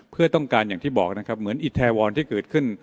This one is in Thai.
เพื่อต้องการอย่างที่บอกนะครับเหมือนอิทาวรที่เกิดขึ้น